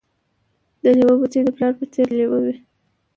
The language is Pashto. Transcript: د لېوه بچی د پلار په څېر لېوه وي